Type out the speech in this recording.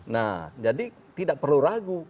nah jadi tidak perlu ragu